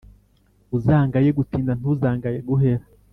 uzangaye gutinda ntuzangaye guhera